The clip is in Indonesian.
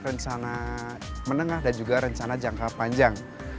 rencana menengah dan juga rencana jangka panjang